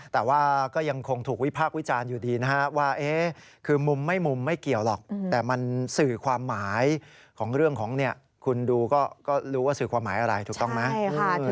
แต่ว่าก็ยังคงถูกวิพากษ์วิจารณ์อยู่ดีนะฮะว่าคือมุมไม่มุมไม่เกี่ยวหรอกแต่มันสื่อความหมายของเรื่องของคุณดูก็รู้ว่าสื่อความหมายอะไรถูกต้องไหม